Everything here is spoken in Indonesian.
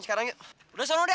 eh tunggu tunggu tunggu